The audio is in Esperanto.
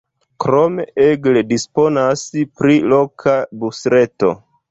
Krome Aigle disponas pri loka busreto.